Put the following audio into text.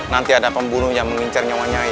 nanti ada pembunuh yang mengincar nyawa nyai